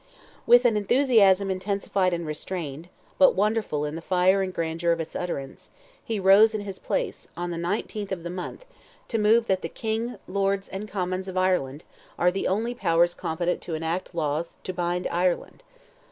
With an enthusiasm intensified and restrained—but wonderful in the fire and grandeur of its utterance—he rose in his place, on the 19th of the month, to move that "the King, Lords, and Commons of Ireland, are the only power competent to enact laws to bind Ireland."